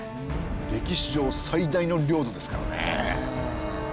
歴史上最大の領土ですからね。